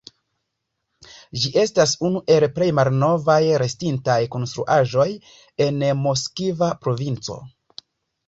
Ĝi estas unu el plej malnovaj restintaj konstruaĵoj en Moskva provinco.